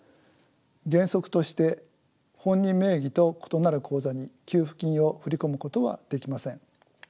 原則として本人名義と異なる口座に給付金を振り込むことはできません。